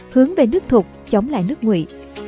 hướng về nước thuộc chống lại nước ngụy